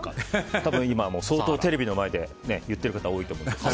多分、相当テレビの前で言っている方多いと思いますが。